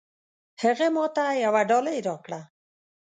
هغه ماته يوه ډالۍ راکړه.